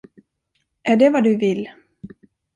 Är det vad du vill?